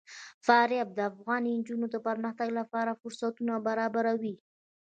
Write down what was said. فاریاب د افغان نجونو د پرمختګ لپاره فرصتونه برابروي.